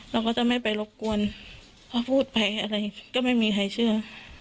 เราก็จะไม่ไปรบกวนเพราะพูดไปอะไรก็ไม่มีใครเชื่อ